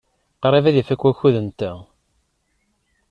Qrib ad ifak wakud-nteɣ.